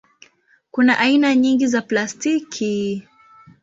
Kuna aina nyingi za plastiki.